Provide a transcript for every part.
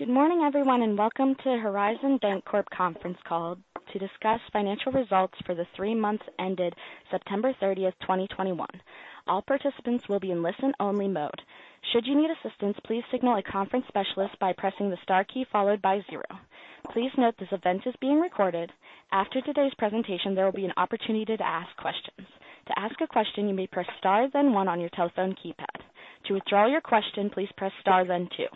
Good morning, everyone, and welcome to Horizon Bancorp conference call to discuss financial results for the three months ended September 30th, 2021. All participants will be in listen-only mode. Should you need assistance, please signal a conference specialist by pressing the star key followed by zero. Please note this event is being recorded. After today's presentation, there will be an opportunity to ask questions. To ask a question, you may press star, then one on your telephone keypad. To withdraw your question, please press star then two.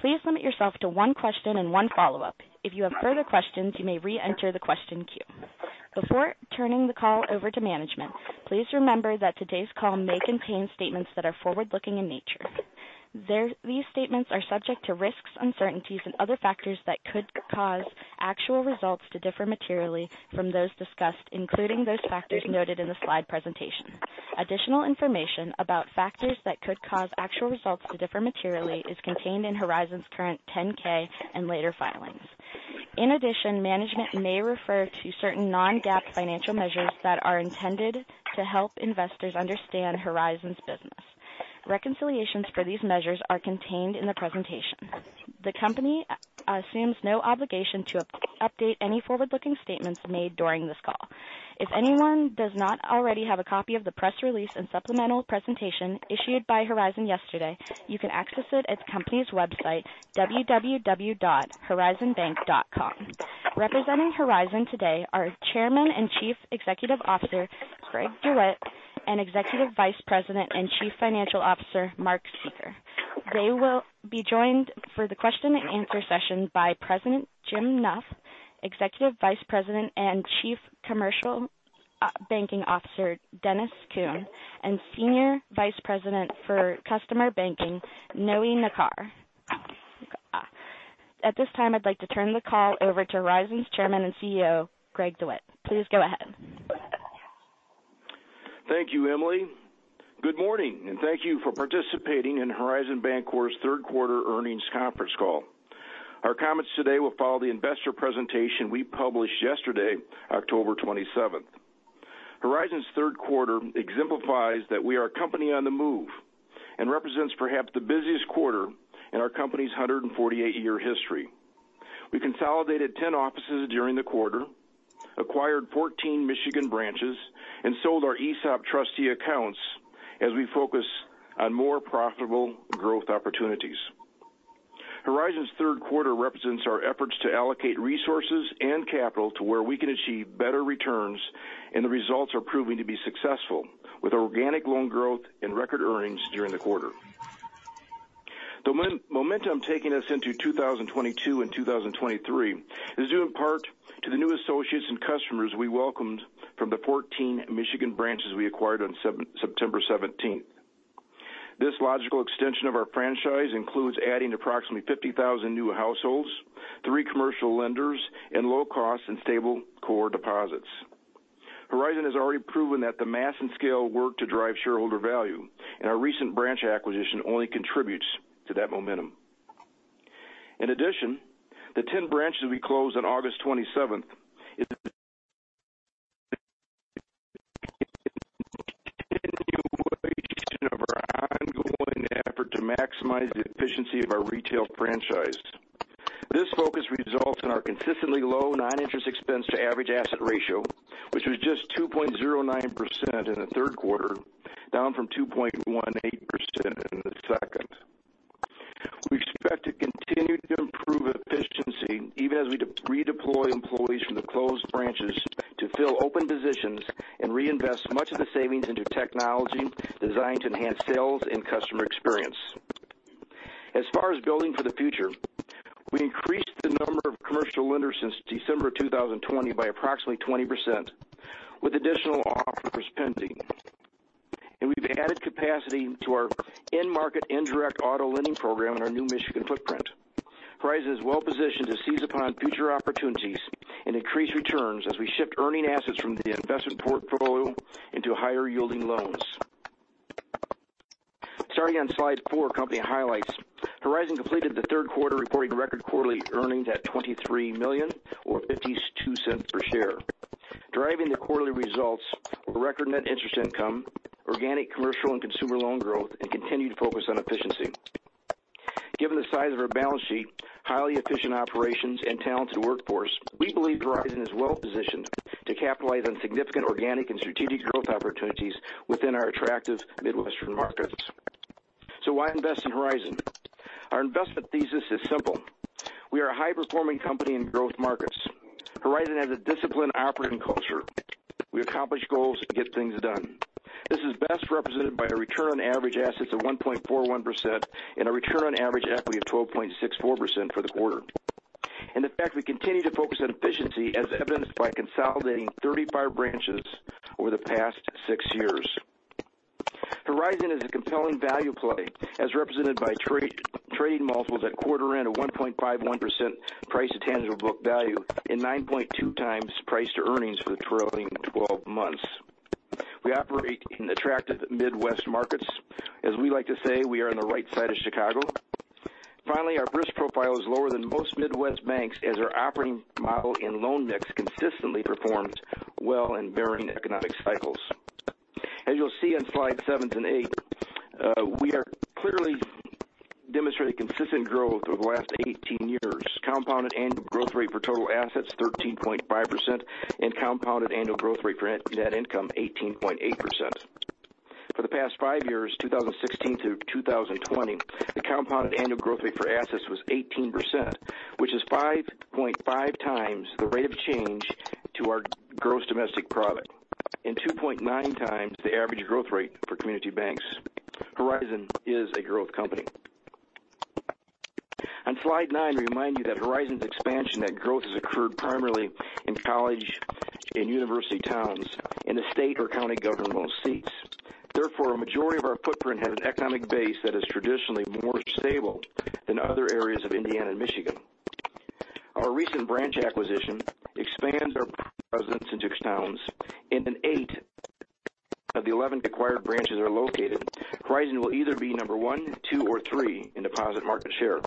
Please limit yourself to one question and one follow-up. If you have further questions, you may re-enter the question queue. Before turning the call over to management, please remember that today's call may contain statements that are forward-looking in nature. These statements are subject to risks, uncertainties and other factors that could cause actual results to differ materially from those discussed, including those factors noted in the slide presentation. Additional information about factors that could cause actual results to differ materially is contained in Horizon's current 10-K and later filings. In addition, management may refer to certain non-GAAP financial measures that are intended to help investors understand Horizon's business. Reconciliations for these measures are contained in the presentation. The company assumes no obligation to update any forward-looking statements made during this call. If anyone does not already have a copy of the press release and supplemental presentation issued by Horizon yesterday, you can access it at the company's website, www.horizonbank.com. Representing Horizon today are Chairman and Chief Executive Officer Craig Dwight and Executive Vice President and Chief Financial Officer Mark Secor. They will be joined for the question-and-answer session by President Jim Neff, Executive Vice President and Chief Commercial Banking Officer Dennis Kuhn, and Senior Vice President for Customer Banking, Noe Najera. At this time, I'd like to turn the call over to Horizon's Chairman and CEO, Craig Dwight. Please go ahead. Thank you, Emily. Good morning, and thank you for participating in Horizon Bancorp's third quarter earnings conference call. Our comments today will follow the investor presentation we published yesterday, October 27th, 2021. Horizon's third quarter exemplifies that we are a company on the move and represents perhaps the busiest quarter in our company's 148-year history. We consolidated 10 offices during the quarter, acquired 14 Michigan branches, and sold our ESOP trustee accounts as we focus on more profitable growth opportunities. Horizon's third quarter represents our efforts to allocate resources and capital to where we can achieve better returns, and the results are proving to be successful with organic loan growth and record earnings during the quarter. The momentum taking us into 2022 and 2023 is due in part to the new associates and customers we welcomed from the 14 Michigan branches we acquired on September seventeenth. This logical extension of our franchise includes adding approximately 50,000 new households, three commercial lenders and low cost and stable core deposits. Horizon has already proven that the mass and scale work to drive shareholder value, and our recent branch acquisition only contributes to that momentum. In addition, the 10 branches we closed on August 27th, 2021 as part of our ongoing effort to maximize the efficiency of our retail franchise. This focus results in our consistently low non-interest expense to average asset ratio, which was just 2.09% in the third quarter, down from 2.18% in the second. We expect to continue to improve efficiency even as we redeploy employees from the closed branches to fill open positions and reinvest much of the savings into technology designed to enhance sales and customer experience. As far as building for the future, we increased the number of commercial lenders since December 2020 by approximately 20%, with additional offers pending. We've added capacity to our in-market indirect auto lending program in our new Michigan footprint. Horizon is well positioned to seize upon future opportunities and increase returns as we shift earning assets from the investment portfolio into higher yielding loans. Starting on slide four, company highlights. Horizon completed the third quarter, reporting record quarterly earnings at $23 million or $0.52 per share. Driving the quarterly results were record net interest income, organic, commercial and consumer loan growth and continued focus on efficiency. Given the size of our balance sheet, highly efficient operations and talented workforce, we believe Horizon is well positioned to capitalize on significant organic and strategic growth opportunities within our attractive Midwestern markets. Why invest in Horizon? Our investment thesis is simple. We are a high performing company in growth markets. Horizon has a disciplined operating culture. We accomplish goals and get things done. This is best represented by a return on average assets of 1.41% and a return on average equity of 12.64% for the quarter. The fact we continue to focus on efficiency as evidenced by consolidating 35 branches over the past six years. Horizon is a compelling value play as represented by trading multiples at quarter end of 1.51% price to tangible book value and 9.2x price to earnings for the trailing 12 months. We operate in attractive Midwest markets. As we like to say, we are on the right side of Chicago. Finally, our risk profile is lower than most Midwest banks as our operating model and loan mix consistently performs well in varying economic cycles. You'll see on slides seven and eight, we are clearly demonstrating consistent growth over the last 18 years. Compounded annual growth rate for total assets, 13.5%, and compounded annual growth rate for net income, 18.8%. For the past five years, 2016 through 2020, the compounded annual growth rate for assets was 18%, which is 5.5x the rate of change to our gross domestic product, and 2.9x the average growth rate for community banks. Horizon is a growth company. On slide nine, we remind you that Horizon's expansion and net growth has occurred primarily in college and university towns in the state or county governmental seats. Therefore, a majority of our footprint has an economic base that is traditionally more stable than other areas of Indiana and Michigan. Our recent branch acquisition expands our presence into towns, and eight of the 11 acquired branches are located. Horizon will either be number one, two, or three in deposit market share.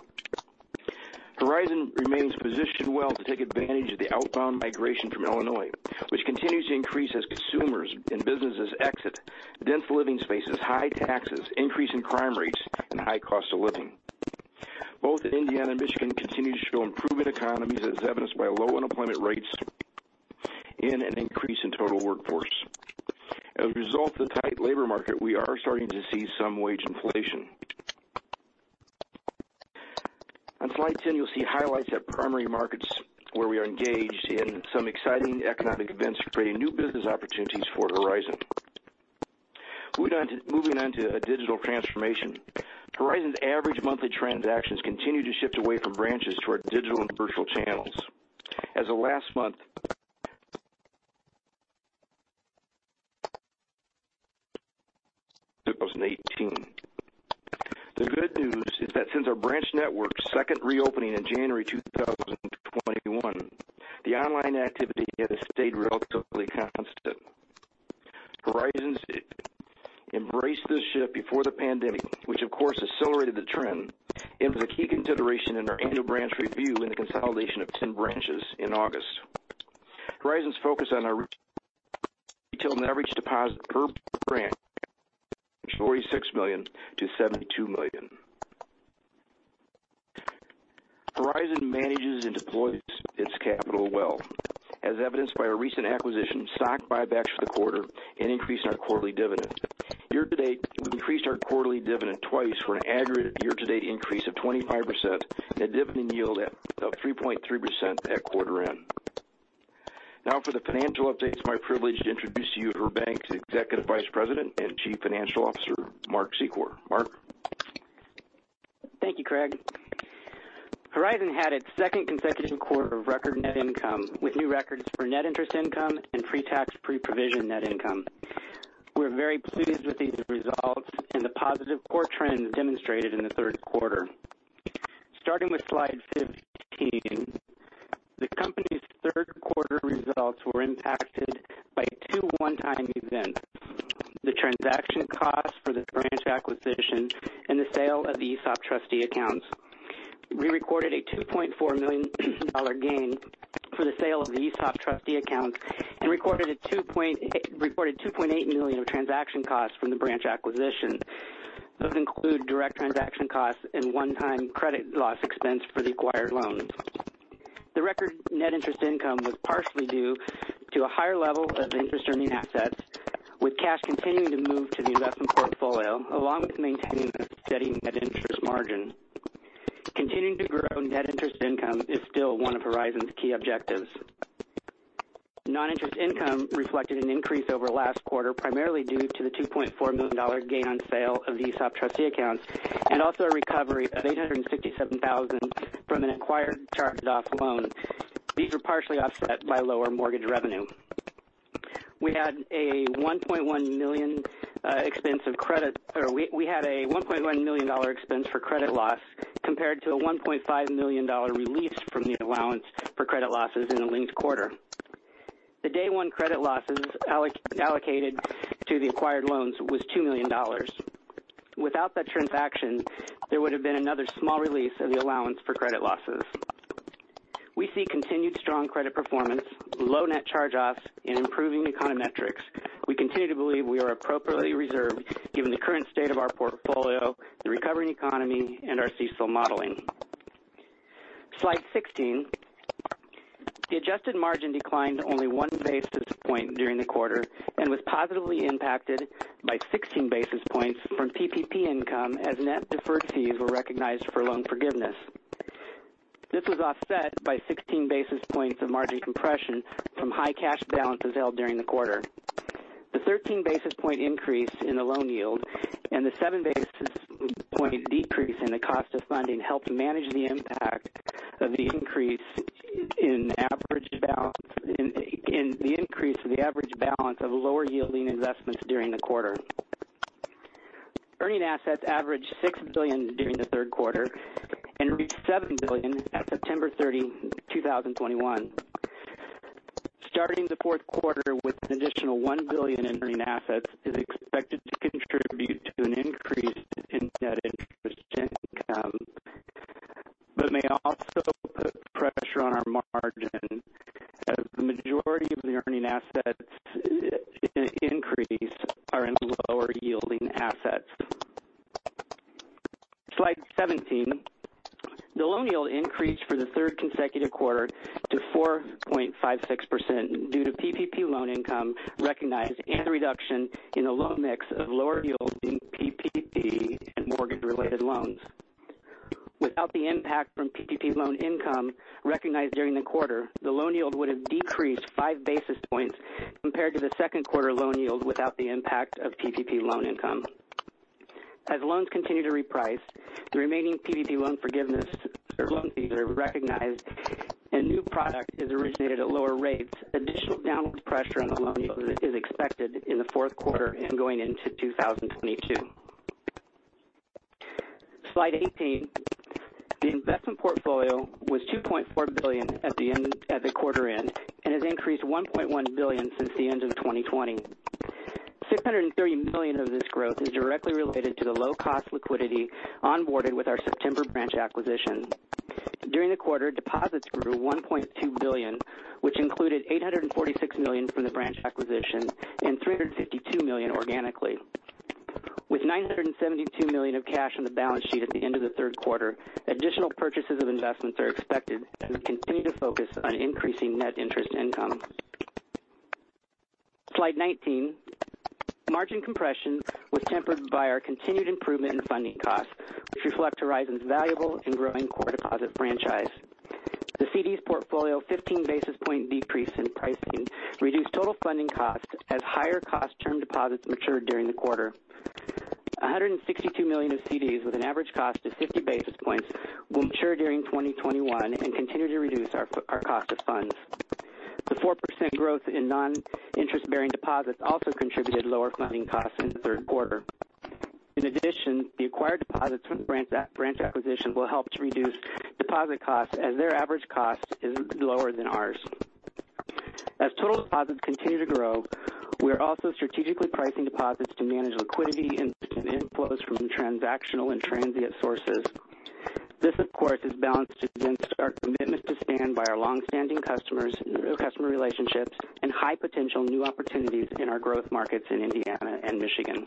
Horizon remains positioned well to take advantage of the outbound migration from Illinois, which continues to increase as consumers and businesses exit dense living spaces, high taxes, increase in crime rates, and high cost of living. Both Indiana and Michigan continue to show improvement economies as evidenced by low unemployment rates and an increase in total workforce. As a result of the tight labor market, we are starting to see some wage inflation. On slide 10, you'll see highlights at primary markets where we are engaged in some exciting economic events creating new business opportunities for Horizon. Moving on to a digital transformation. Horizon's average monthly transactions continue to shift away from branches to our digital and virtual channels. As of last month, 2,018. The good news is that since our branch network second reopening in January 2021, the online activity has stayed relatively constant. Horizon's embraced this shift before the pandemic, which of course accelerated the trend. It was a key consideration in our annual branch review in the consolidation of 10 branches in August. Horizon's focus on our retail net average deposit per branch, $46 million-$72 million. Horizon manages and deploys its capital well, as evidenced by a recent acquisition, stock buybacks for the quarter, and increase in our quarterly dividend. Year-to-date, we've increased our quarterly dividend twice for an aggregate year-to-date increase of 25% and a dividend yield of 3.3% at quarter end. Now for the financial updates, it's my privilege to introduce you to our bank's Executive Vice President and Chief Financial Officer, Mark Secor. Mark. Thank you, Craig. Horizon had its second consecutive quarter of record net income, with new records for net interest income and pre-tax, pre-provision net income. We're very pleased with these results and the positive core trends demonstrated in the third quarter. Starting with slide 15, the company's third quarter results were impacted by two one-time events, the transaction costs for the branch acquisition and the sale of the ESOP trustee accounts. We recorded a $2.4 million gain for the sale of the ESOP trustee accounts and recorded $2.8 million of transaction costs from the branch acquisition. Those include direct transaction costs and one-time credit loss expense for the acquired loans. The record net interest income was partially due to a higher level of interest earning assets, with cash continuing to move to the investment portfolio, along with maintaining a steady net interest margin. Continuing to grow net interest income is still one of Horizon's key objectives. Non-interest income reflected an increase over last quarter, primarily due to the $2.4 million gain on sale of the ESOP trustee accounts, and also a recovery of $867,000 from an acquired charged-off loan. These were partially offset by lower mortgage revenue. We had a $1.1 million expense for credit loss compared to the $1.5 million release from the allowance for credit losses in the linked quarter. The day one credit losses allocated to the acquired loans was $2 million. Without that transaction, there would have been another small release of the allowance for credit losses. We see continued strong credit performance, low net charge-offs, and improving economic metrics. We continue to believe we are appropriately reserved given the current state of our portfolio, the recovering economy, and our CECL modeling. Slide 16. The adjusted margin declined only 1 basis point during the quarter and was positively impacted by 16 basis points from PPP income as net deferred fees were recognized for loan forgiveness. This was offset by 16 basis points of margin compression from high cash balances held during the quarter. The 13 basis point increase in the loan yield and the 7 basis point decrease in the cost of funding helped manage the impact of the increase in the average balance of lower yielding investments during the quarter. Earning assets averaged $6 billion during the third quarter and reached $7 billion at September 30th, 2021. Starting the fourth quarter with an additional $1 billion in earning assets is expected to contribute to an increase in net interest. May also put pressure on our margin as the majority of the earning assets increase are in lower yielding assets. Slide 17. The loan yield increased for the third consecutive quarter to 4.56% due to PPP loan income recognized and a reduction in the loan mix of lower yielding PPP and mortgage related loans. Without the impact from PPP loan income recognized during the quarter, the loan yield would have decreased 5 basis points compared to the second quarter loan yield without the impact of PPP loan income. As loans continue to reprice, the remaining PPP loan forgiveness or loan fees are recognized and new product is originated at lower rates. Additional downward pressure on the loan is expected in the fourth quarter and going into 2022. Slide 18. The investment portfolio was $2.4 billion at the quarter end, and has increased $1.1 billion since the end of 2020. $630 million of this growth is directly related to the low cost liquidity onboarded with our September branch acquisition. During the quarter, deposits grew $1.2 billion, which included $846 million from the branch acquisition and $352 million organically. With $972 million of cash on the balance sheet at the end of the third quarter, additional purchases of investments are expected as we continue to focus on increasing net interest income. Slide 19. Margin compression was tempered by our continued improvement in funding costs, which reflect Horizon's valuable and growing core deposit franchise. The CDs portfolio's 15 basis point decrease in pricing reduced total funding costs as higher cost term deposits matured during the quarter. $162 million of CDs with an average cost of 50 basis points will mature during 2021 and continue to reduce our cost of funds. The 4% growth in non-interest bearing deposits also contributed lower funding costs in the third quarter. In addition, the acquired deposits from the branch acquisition will help to reduce deposit costs as their average cost is lower than ours. As total deposits continue to grow, we are also strategically pricing deposits to manage liquidity and inflows from transactional and transient sources. This, of course, is balanced against our commitment to stand by our long-standing customers, new customer relationships, and high potential new opportunities in our growth markets in Indiana and Michigan.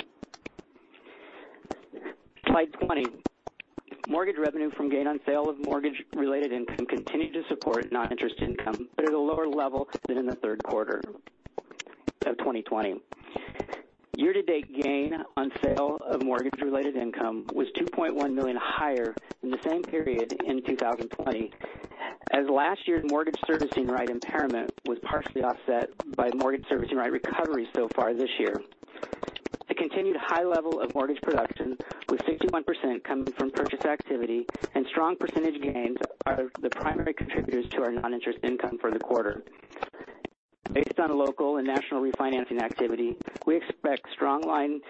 Slide 20. Mortgage revenue from gain on sale of mortgage-related income continued to support non-interest income, but at a lower level than in the third quarter of 2020. Year-to-date gain on sale of mortgage related income was $2.1 million higher than the same period in 2020 as last year's mortgage servicing right impairment was partially offset by mortgage servicing right recovery so far this year. The continued high level of mortgage production, with 61% coming from purchase activity and strong percentage gains are the primary contributors to our non-interest income for the quarter. Based on local and national refinancing activity, we expect strong loan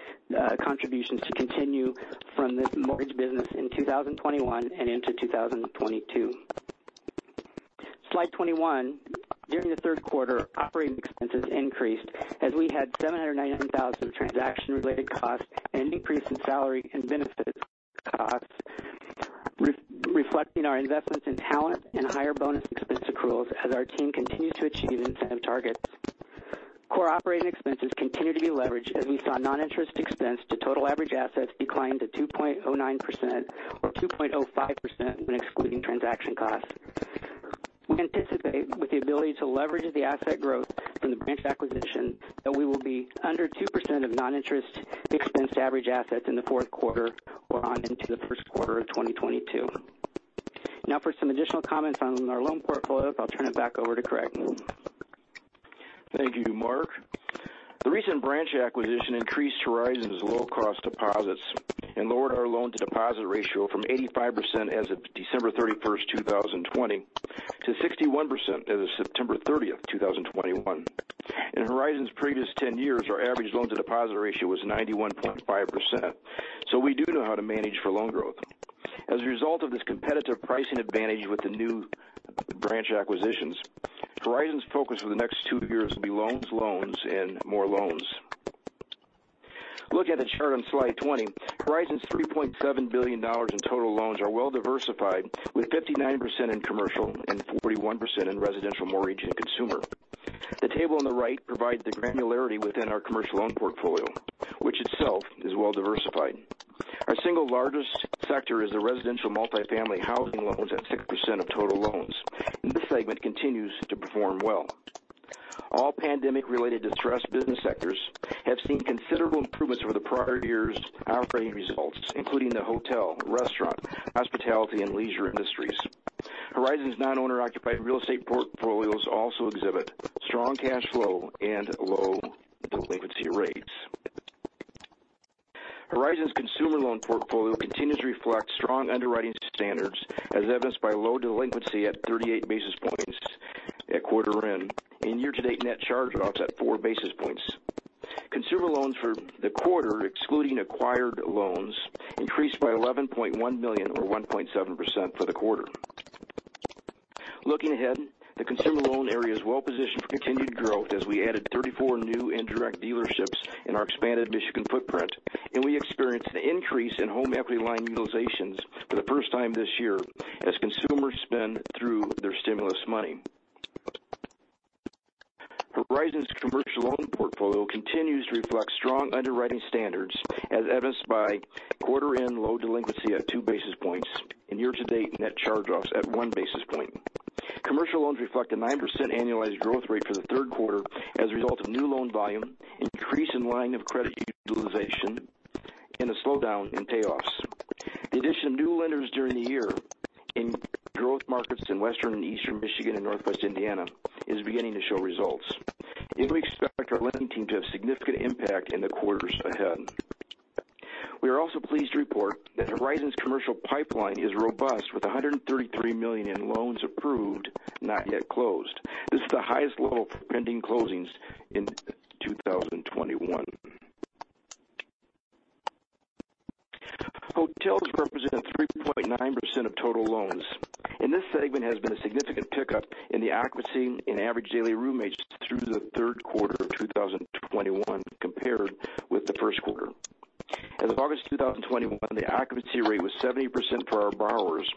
contributions to continue from this mortgage business in 2021 and into 2022. Slide 21. During the third quarter, operating expenses increased as we had $799,000 transaction related costs and an increase in salary and benefits costs, reflecting our investments in talent and higher bonus expense accruals as our team continues to achieve incentive targets. Core operating expenses continue to be leveraged as we saw non-interest expense to total average assets decline to 2.09% or 2.05% when excluding transaction costs. We anticipate with the ability to leverage the asset growth from the branch acquisition that we will be under 2% of non-interest expense to average assets in the fourth quarter or on into the first quarter of 2022. Now for some additional comments on our loan portfolio, I'll turn it back over to Craig. Thank you, Mark. The recent branch acquisition increased Horizon's low cost deposits and lowered our loan to deposit ratio from 85% as of December 31st, 2020 to 61% as of September 30th, 2021. In Horizon's previous 10 years, our average loan to deposit ratio was 91.5%. We do know how to manage for loan growth. As a result of this competitive pricing advantage with the new branch acquisitions, Horizon's focus for the next two years will be loans, and more loans. Looking at the chart on slide 20, Horizon's $3.7 billion in total loans are well diversified with 59% in commercial and 41% in residential mortgage and consumer. The table on the right provides the granularity within our commercial loan portfolio, which itself is well diversified. Our single largest sector is the residential multifamily housing loans at 6% of total loans. This segment continues to perform well. All pandemic-related distressed business sectors have seen considerable improvements over the prior year's operating results, including the hotel, restaurant, hospitality and leisure industries. Horizon's non-owner-occupied real estate portfolios also exhibit strong cash flow and low delinquency rates. Horizon's consumer loan portfolio continues to reflect strong underwriting standards as evidenced by low delinquency at 38 basis points at quarter end and year-to-date net charge-offs at 4 basis points. Consumer loans for the quarter, excluding acquired loans, increased by $11.1 million or 1.7% for the quarter. Looking ahead, the consumer loan area is well positioned for continued growth as we added 34 new indirect dealerships in our expanded Michigan footprint. We experienced an increase in home equity line utilizations for the first time this year as consumers spend through their stimulus money. Horizon's commercial loan portfolio continues to reflect strong underwriting standards, as evidenced by quarter end loan delinquency at 2 basis points and year-to-date net charge-offs at 1 basis point. Commercial loans reflect a 9% annualized growth rate for the third quarter as a result of new loan volume, increase in line of credit utilization, and a slowdown in payoffs. The addition of new lenders during the year in growth markets in Western and Eastern Michigan and Northwest Indiana is beginning to show results, and we expect our lending team to have significant impact in the quarters ahead. We are also pleased to report that Horizon's commercial pipeline is robust with $133 million in loans approved, not yet closed. This is the highest level of pending closings in 2021. Hotels represented 3.9% of total loans. In this segment, there has been a significant pickup in the occupancy in average daily room rates through the third quarter of 2021 compared with the first quarter. As of August 2021, the occupancy rate was 70% for our borrowers,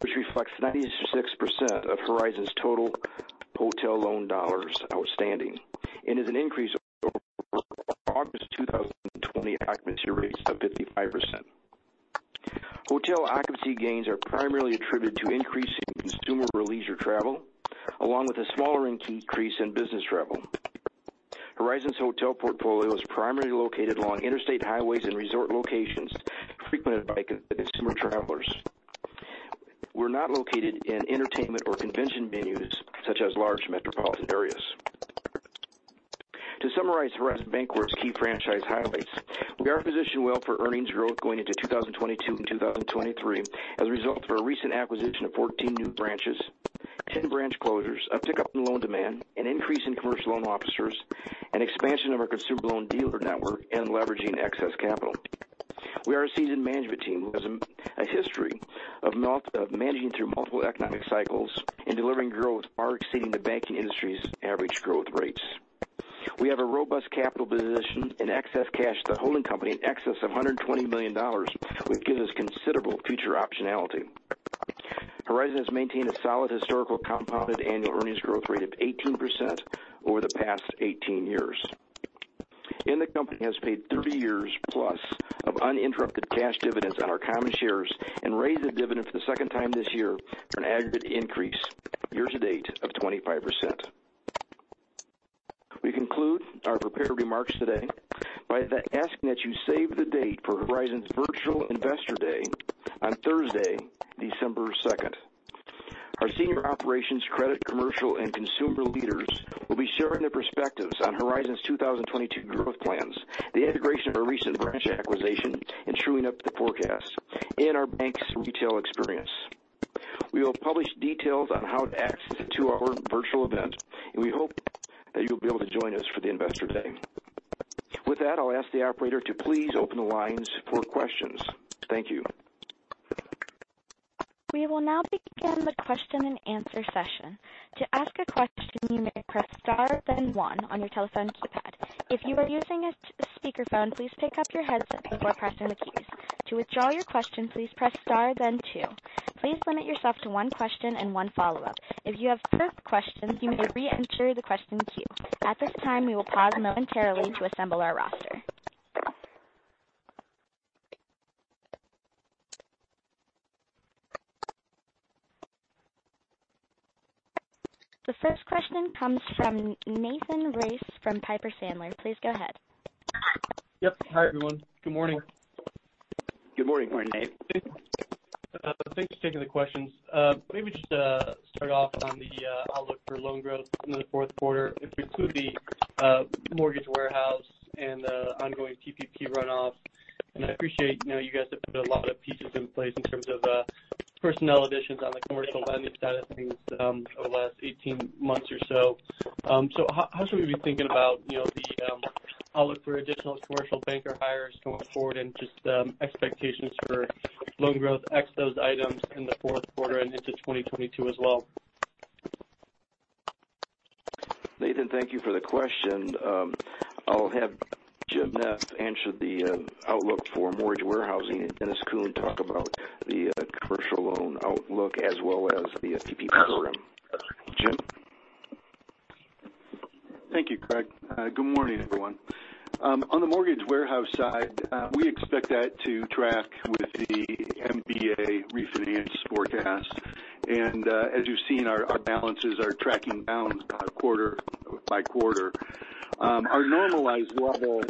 which reflects 96% of Horizon's total hotel loan dollars outstanding and is an increase over August 2020 occupancy rates of 55%. Hotel occupancy gains are primarily attributed to increasing consumer leisure travel, along with a smaller increase in business travel. Horizon's hotel portfolio is primarily located along interstate highways and resort locations frequented by consumer travelers. We're not located in entertainment or convention venues such as large metropolitan areas. To summarize Horizon Bancorp's key franchise highlights, we are positioned well for earnings growth going into 2022 and 2023 as a result of our recent acquisition of 14 new branches, 10 branch closures, a pickup in loan demand, an increase in commercial loan officers, an expansion of our consumer loan dealer network, and leveraging excess capital. We are a seasoned management team who has a history of managing through multiple economic cycles and delivering growth are exceeding the banking industry's average growth rates. We have a robust capital position and excess cash to holding company in excess of $120 million, which gives us considerable future optionality. Horizon has maintained a solid historical compounded annual earnings growth rate of 18% over the past 18 years. The company has paid 30+ years of uninterrupted cash dividends on our common shares and raised the dividend for the second time this year for an aggregate increase year-to-date of 25%. We conclude our prepared remarks today by asking that you save the date for Horizon's Virtual Investor Day on Thursday, December 2nd, 2021. Our senior operations, credit, commercial and consumer leaders will be sharing their perspectives on Horizon's 2022 growth plans, the integration of our recent branch acquisition, and truing up the forecast in our bank's retail experience. We will publish details on how to access the two-hour virtual event, and we hope that you'll be able to join us for the Investor Day. With that, I'll ask the operator to please open the lines for questions. Thank you. We will now begin the question-and-answer session. To ask a question, you may press star then one on your telephone keypad. If you are using a speakerphone, please pick up your headset before pressing the keys. To withdraw your question, please press star then two. Please limit yourself to one question and one follow-up. If you have further questions, you may reenter the question queue. At this time, we will pause momentarily to assemble our roster. The first question comes from Nathan Race from Piper Sandler. Please go ahead. Yep. Hi, everyone. Good morning. Good morning, Nate. Thanks for taking the questions. Maybe just start off on the outlook for loan growth in the fourth quarter, including mortgage warehouse and the ongoing PPP runoff. I appreciate, you know, you guys have put a lot of pieces in place in terms of personnel additions on the commercial lending side of things over the last 18 months or so. So how should we be thinking about, you know, the outlook for additional commercial banker hires going forward and just expectations for loan growth ex those items in the fourth quarter and into 2022 as well? Nathan, thank you for the question. I'll have Jim Neff answer the outlook for mortgage warehousing and Dennis Kuhn talk about the commercial loan outlook as well as the PPP program. Jim? Thank you, Craig. Good morning, everyone. On the mortgage warehouse side, we expect that to track with the MBA refinance forecast. As you've seen, our balances are tracking down about quarter-by-quarter. Our normalized level,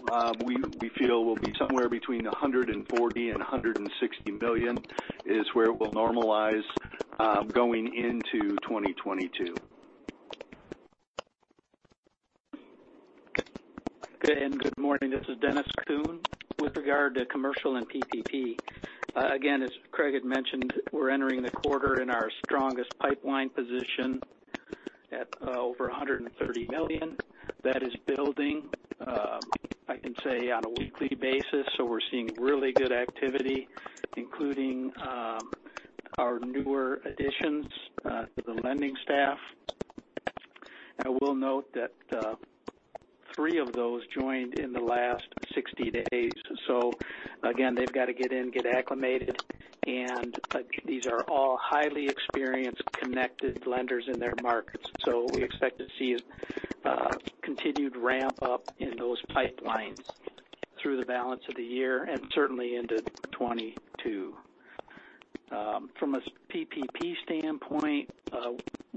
we feel will be somewhere between $140 million and $160 million is where it will normalize, going into 2022. Good morning. This is Dennis Kuhn. With regard to commercial and PPP, again, as Craig had mentioned, we're entering the quarter in our strongest pipeline position at over $130 million. That is building, I can say on a weekly basis, so we're seeing really good activity, including our newer additions to the lending staff. I will note that three of those joined in the last 60 days. Again, they've got to get in, get acclimated. These are all highly experienced, connected lenders in their markets. We expect to see a continued ramp up in those pipelines through the balance of the year and certainly into 2022. From a PPP standpoint,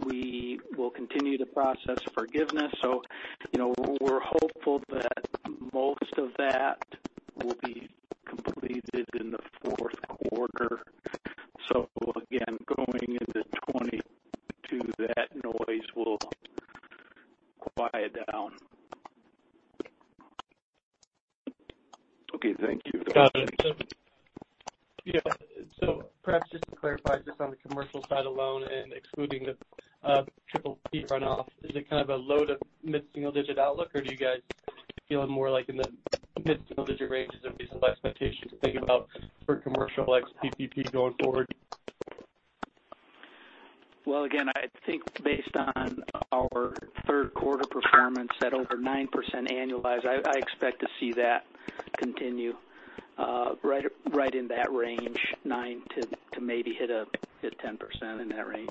we will continue to process forgiveness. You know, we're hopeful that most of that will be completed in the fourth quarter. Again, going into 2022, that noise will quiet down. Okay, thank you. Got it. Perhaps just to clarify, just on the commercial side alone and excluding the PPP runoff, is it kind of a low mid-single-digit outlook, or do you guys feel more like in the mid-single-digit ranges at least of expectation to think about for commercial, like PPP going forward? Well, again, I think based on our third quarter performance at over 9% annualized, I expect to see that continue right in that range, 9% to maybe hit 10% in that range.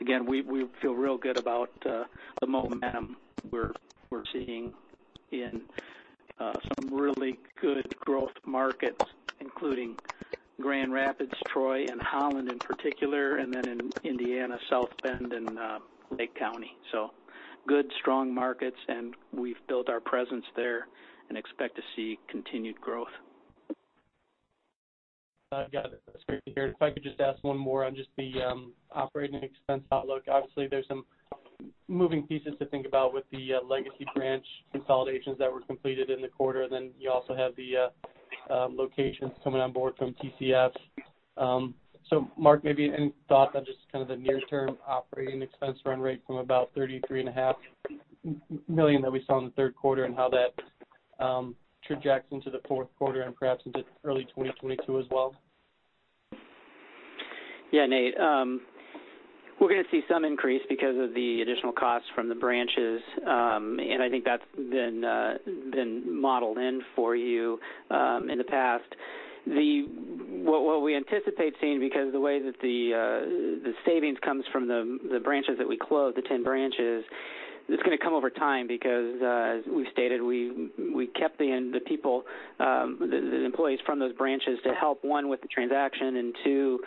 Again, we feel real good about the momentum we're seeing in some really good growth markets, including Grand Rapids, Troy, and Holland in particular, and then in Indiana, South Bend, and Lake County. Good, strong markets, and we've built our presence there and expect to see continued growth. I've got it. That's great to hear. If I could just ask one more on just the operating expense outlook. Obviously, there's some moving parts to think about with the legacy branch consolidations that were completed in the quarter. You also have the locations coming on board from TCF. So Mark, maybe any thoughts on just kind of the near-term operating expense run rate from about $33.5 million that we saw in the third quarter and how that projects into the fourth quarter and perhaps into early 2022 as well? Yeah, Nate. We're gonna see some increase because of the additional costs from the branches. I think that's been modeled in for you in the past. What we anticipate seeing because of the way that the savings comes from the branches that we closed, the 10 branches, it's gonna come over time because as we've stated, we kept the people, the employees from those branches to help, one, with the transaction, and two,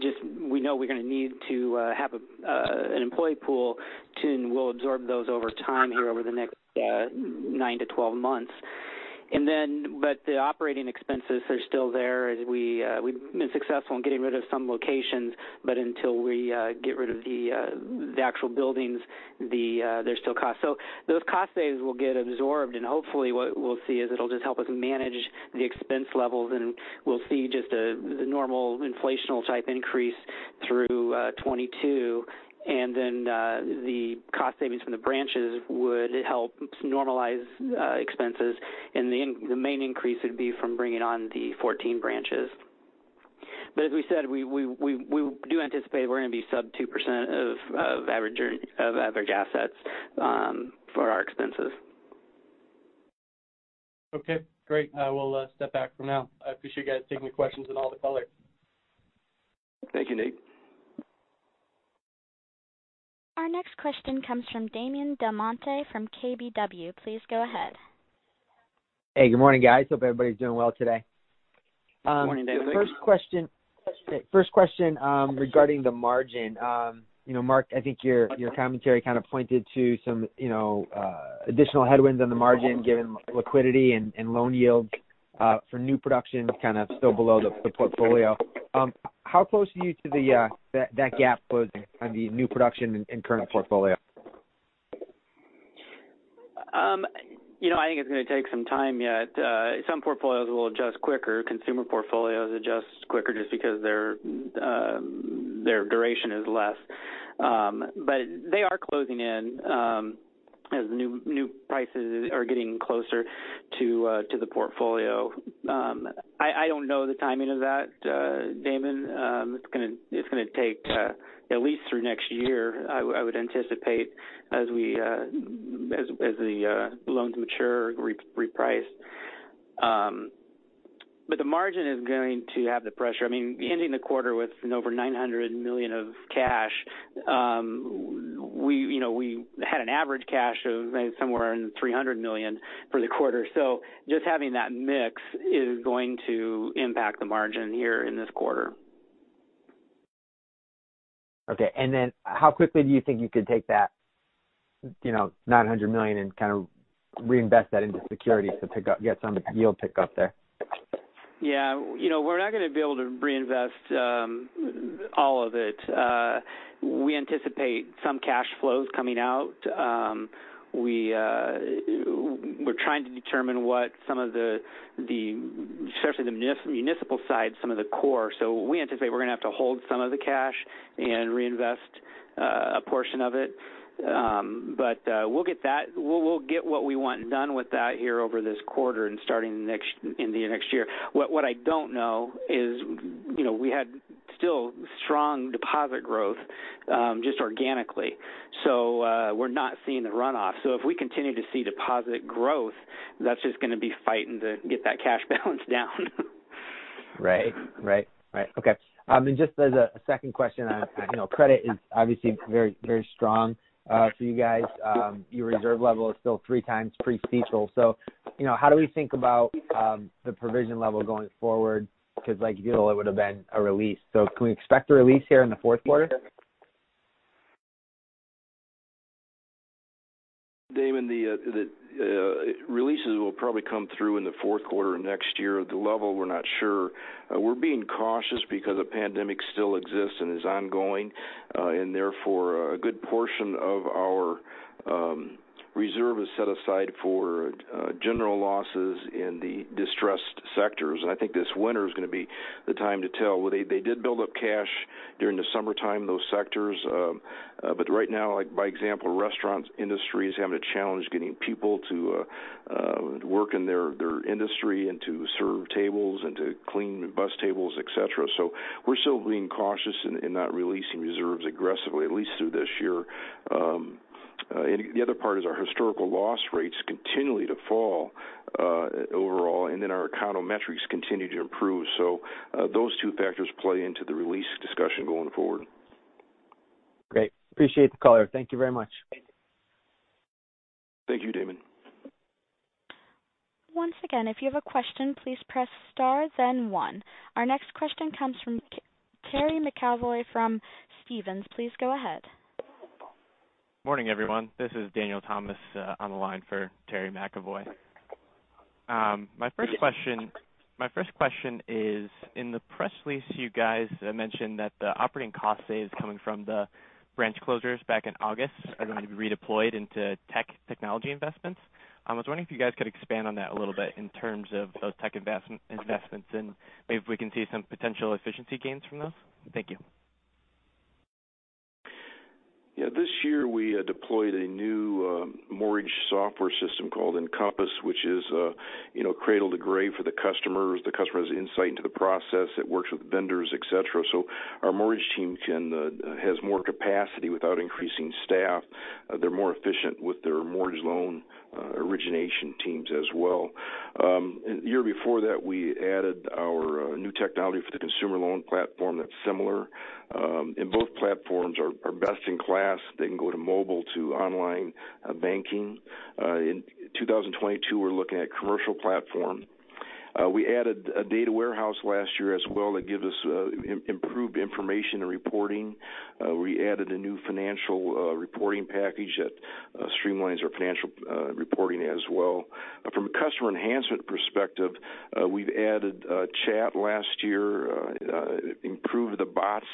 just we know we're gonna need to have an employee pool and we'll absorb those over time here over the next nine to 12 months. The operating expenses are still there. As we've been successful in getting rid of some locations, but until we get rid of the actual buildings, there's still costs. Those cost savings will get absorbed, and hopefully what we'll see is it'll just help us manage the expense levels, and we'll see just the normal inflationary type increase through 2022. The cost savings from the branches would help normalize expenses. In the end, the main increase would be from bringing on the 14 branches. As we said, we do anticipate we're gonna be sub 2% of average assets for our expenses. Okay, great. I will step back for now. I appreciate you guys taking the questions and all the color. Thank you, Nate. Our next question comes from Damon DelMonte from KBW. Please go ahead. Hey, good morning, guys. Hope everybody's doing well today. Morning, Damon. First question, regarding the margin. You know, Mark, I think your commentary kind of pointed to some, you know, additional headwinds on the margin given liquidity and loan yields for new production kind of still below the portfolio. How close are you to that gap closing on the new production and current portfolio? You know, I think it's gonna take some time yet. Some portfolios will adjust quicker. Consumer portfolios adjust quicker just because their duration is less. They are closing in as new prices are getting closer to the portfolio. I don't know the timing of that, Damon. It's gonna take at least through next year. I would anticipate as the loans mature, repriced. The margin is going to have the pressure. I mean, ending the quarter with over $900 million of cash, we, you know, we had an average cash of somewhere in the $300 million for the quarter. Just having that mix is going to impact the margin here in this quarter. Okay. How quickly do you think you could take that, you know, $900 million and kind of reinvest that into securities to get some yield pick up there? Yeah. You know, we're not gonna be able to reinvest all of it. We anticipate some cash flows coming out. We're trying to determine what some of the especially the municipal side, some of the core. We anticipate we're gonna have to hold some of the cash and reinvest a portion of it. We'll get that. We'll get what we want done with that here over this quarter and in the next year. What I don't know is, you know, we had still strong deposit growth just organically. We're not seeing the runoff. If we continue to see deposit growth, that's just gonna be fighting to get that cash balance down. Right. Okay. Just as a second question, you know, credit is obviously very, very strong for you guys. Your reserve level is still three times pre-CECL. You know, how do we think about the provision level going forward? 'Cause like util, it would have been a release. Can we expect a release here in the fourth quarter? Damon, the releases will probably come through in the fourth quarter of next year. The level, we're not sure. We're being cautious because the pandemic still exists and is ongoing. Therefore, a good portion of our reserve is set aside for general losses in the distressed sectors. I think this winter is gonna be the time to tell. They did build up cash during the summertime, those sectors. Right now, for example, the restaurant industry is having a challenge getting people to work in their industry and to serve tables and to clean, bus tables, et cetera. We're still being cautious in not releasing reserves aggressively, at least through this year. The other part is our historical loss rates continue to fall overall, and then our econometrics continue to improve. Those two factors play into the release discussion going forward. Great. Appreciate the color. Thank you very much. Thank you, Damon. Once again, if you have a question, please press star then one. Our next question comes from Terry McEvoy from Stephens. Please go ahead. Morning, everyone. This is Daniel Thomas on the line for Terry McEvoy. My first question is, in the press release, you guys mentioned that the operating cost savings coming from the branch closures back in August are going to be redeployed into technology investments. I was wondering if you guys could expand on that a little bit in terms of those tech investments, and if we can see some potential efficiency gains from those. Thank you. Yeah. This year, we deployed a new mortgage software system called Encompass, which is, you know, cradle to grave for the customers. The customer has insight into the process. It works with vendors, et cetera. So our mortgage team has more capacity without increasing staff. They're more efficient with their mortgage loan origination teams as well. A year before that, we added our new technology for the consumer loan platform that's similar. Both platforms are best in class. They can go to mobile to online banking. In 2022, we're looking at commercial platform. We added a data warehouse last year as well that gives us improved information and reporting. We added a new financial reporting package that streamlines our financial reporting as well. From a customer enhancement perspective, we've added chat last year, improved the bots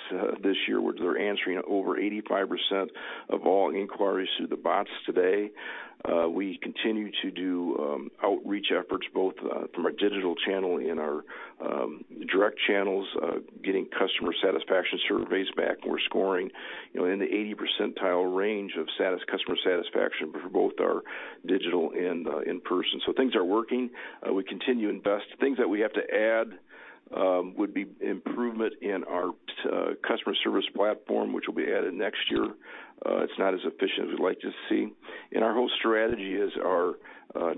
this year, which they're answering over 85% of all inquiries through the bots today. We continue to do outreach efforts both from our digital channel and our direct channels, getting customer satisfaction surveys back. We're scoring, you know, in the 80th percentile range of customer satisfaction for both our digital and in person. Things are working. We continue to invest. Things that we have to add would be improvement in our customer service platform, which will be added next year. It's not as efficient as we'd like to see. Our whole strategy is our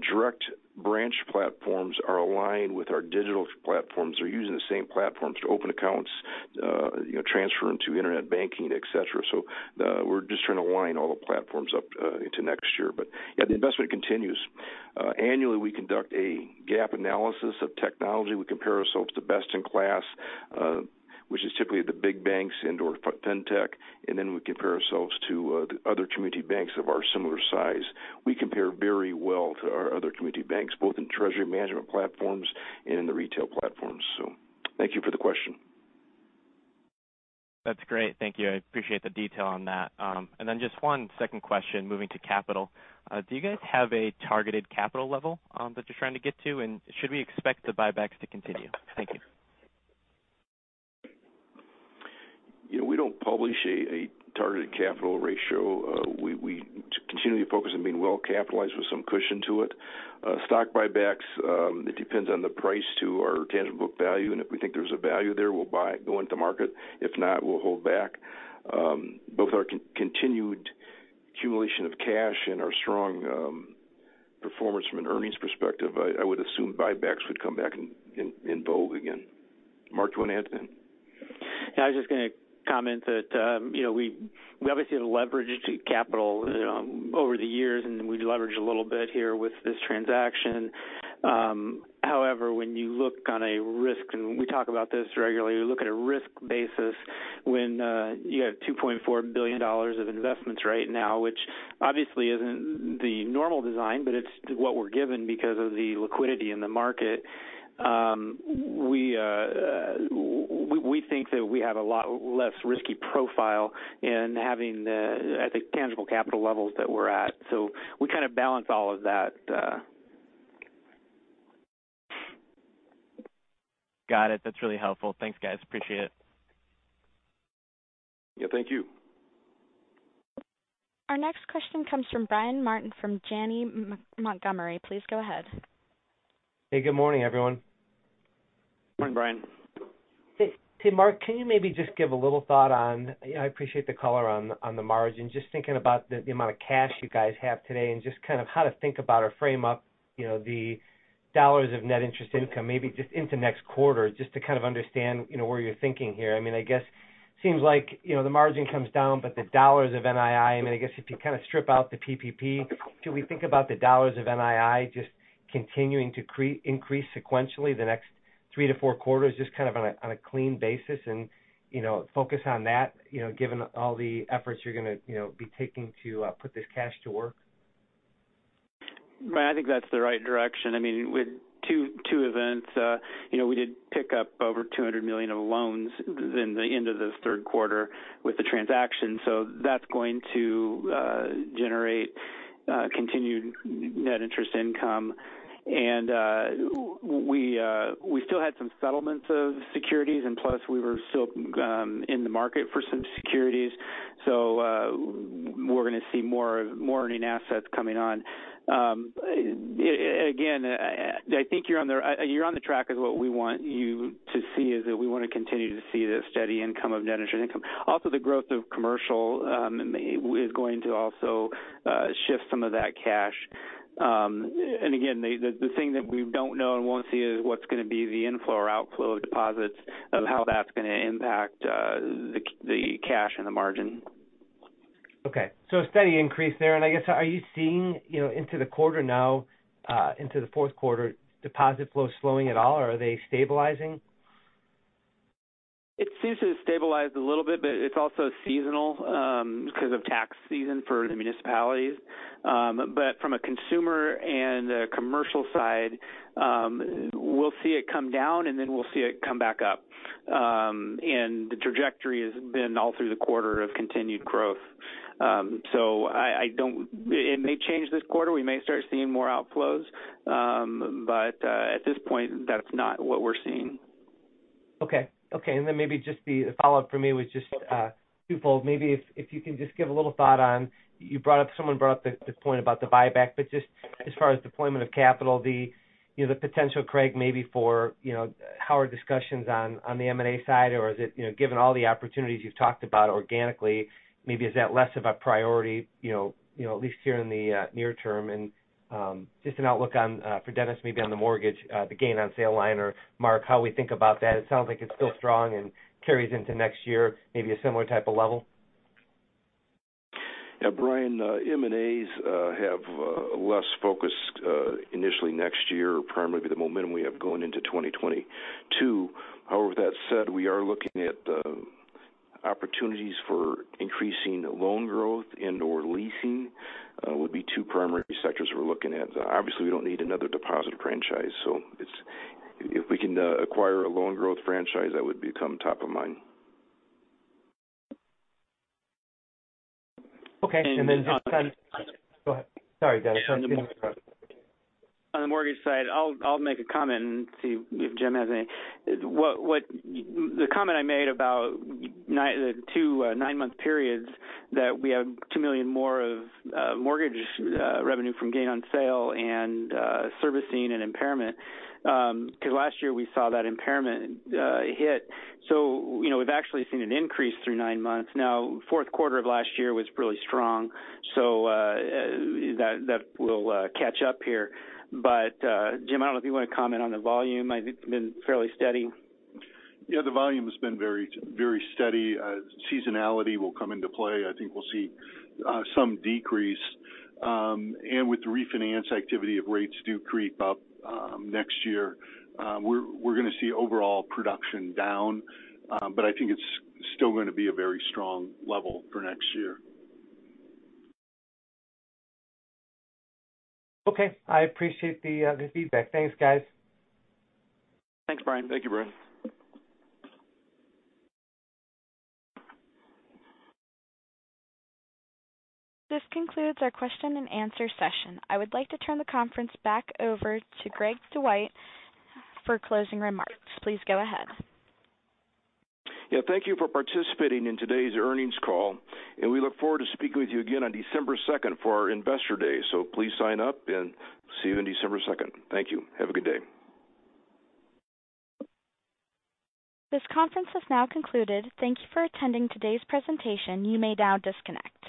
direct branch platforms are aligned with our digital platforms. They're using the same platforms to open accounts, you know, transfer them to internet banking, et cetera. We're just trying to align all the platforms up into next year. Yeah, the investment continues. Annually, we conduct a gap analysis of technology. We compare ourselves to best in class, which is typically the big banks and/or fintech, and then we compare ourselves to the other community banks of our similar size. We compare very well to our other community banks, both in treasury management platforms and in the retail platforms. Thank you for the question. That's great. Thank you. I appreciate the detail on that. Just one second question, moving to capital. Do you guys have a targeted capital level that you're trying to get to? Should we expect the buybacks to continue? Thank you. You know, we don't publish a targeted capital ratio. We continue to focus on being well capitalized with some cushion to it. Stock buybacks, it depends on the price to our tangible book value, and if we think there's a value there, we'll buy it going to market. If not, we'll hold back. With our continued accumulation of cash and our strong performance from an earnings perspective, I would assume buybacks would come back in vogue again. Mark, do you want to add anything? Yeah, I was just gonna comment that, you know, we obviously had a leverage to capital over the years, and we leveraged a little bit here with this transaction. However, when you look at a risk, and we talk about this regularly, you look at a risk basis when you have $2.4 billion of investments right now, which obviously isn't the normal design, but it's what we're given because of the liquidity in the market. We think that we have a lot less risky profile in having the, I think, tangible capital levels that we're at. We kind of balance all of that. Got it. That's really helpful. Thanks, guys. Appreciate it. Yeah, thank you. Our next question comes from Brian Martin from Janney Montgomery Scott. Please go ahead. Hey, good morning, everyone. Morning, Brian. Hey, Mark, can you maybe just give a little thought on, you know, I appreciate the color on the margin. Just thinking about the amount of cash you guys have today and just kind of how to think about or frame up, you know, the dollars of net interest income, maybe just into next quarter, just to kind of understand, you know, where you're thinking here. I mean, I guess, seems like, you know, the margin comes down, but the dollars of NII, I mean, I guess, if you kind of strip out the PPP, should we think about the dollars of NII just continuing to increase sequentially the next three to four quarters, just kind of on a, on a clean basis and, you know, focus on that, you know, given all the efforts you're gonna, you know, be taking to put this cash to work? Brian, I think that's the right direction. I mean, with two events, you know, we did pick up over $200 million of loans in the end of the third quarter with the transaction. So that's going to generate continued net interest income. We still had some settlements of securities, and plus we were still in the market for some securities. So we're gonna see more earning assets coming on. Again, I think you're on the track of what we want you to see, is that we wanna continue to see the steady income of net interest income. Also, the growth of commercial is going to also shift some of that cash. Again, the thing that we don't know and won't see is what's gonna be the inflow or outflow of deposits and how that's gonna impact the cash and the margin. Okay. A steady increase there. I guess, are you seeing, you know, into the quarter now, into the fourth quarter, deposit flows slowing at all? Or are they stabilizing? It seems to have stabilized a little bit, but it's also seasonal, because of tax season for the municipalities. From a consumer and a commercial side, we'll see it come down and then we'll see it come back up. The trajectory has been all through the quarter of continued growth. It may change this quarter. We may start seeing more outflows. At this point, that's not what we're seeing. Okay. Maybe just the follow-up for me was just twofold. Maybe if you can just give a little thought on, you brought up, someone brought up the point about the buyback. But just as far as deployment of capital, you know, the potential, Craig, maybe for, you know, how are discussions on the M&A side? Or is it, you know, given all the opportunities you've talked about organically, maybe is that less of a priority, you know, at least here in the near term? Just an outlook on for Dennis, maybe on the mortgage, the gain on sale line or Mark, how we think about that. It sounds like it's still strong and carries into next year, maybe a similar type of level. Yeah, Brian, M&As have less focus initially next year, primarily the momentum we have going into 2022. However, with that said, we are looking at opportunities for increasing loan growth and/or leasing would be two primary sectors we're looking at. Obviously, we don't need another deposit franchise, so it's if we can acquire a loan growth franchise, that would become top of mind. Okay. Go ahead. Sorry, Dennis. On the mortgage side, I'll make a comment and see if Jim has any. The comment I made about the two nine-month periods that we have $2 million more of mortgage revenue from gain on sale and servicing and impairment 'cause last year we saw that impairment hit. You know, we've actually seen an increase through 9 months. Now, fourth quarter of last year was really strong, that will catch up here. Jim, I don't know if you want to comment on the volume. I think it's been fairly steady. Yeah, the volume has been very steady. Seasonality will come into play. I think we'll see some decrease and with the refinance activity if rates do creep up next year, we're gonna see overall production down. I think it's still gonna be a very strong level for next year. Okay. I appreciate the feedback. Thanks, guys. Thanks, Brian. Thank you, Brian. This concludes our question-and-answer session. I would like to turn the conference back over to Craig Dwight for closing remarks. Please go ahead. Yeah, thank you for participating in today's earnings call, and we look forward to speaking with you again on December second for our Investor Day. Please sign up and see you on December second. Thank you. Have a good day. This conference has now concluded. Thank you for attending today's presentation. You may now disconnect.